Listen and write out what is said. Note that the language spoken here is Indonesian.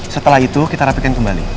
setelah itu kita rapikan kembali